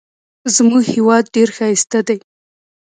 زموږ هیواد ډېر ښایسته دی.